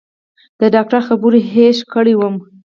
د ډاکتر خبرو هېښ کړى وم.